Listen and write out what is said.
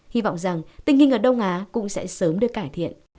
hy vọng rằng tình hình ở đông á cũng sẽ sớm được cải thiện